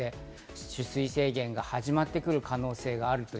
取水制限が始まってくる可能性があります。